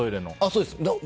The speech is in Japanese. そうです。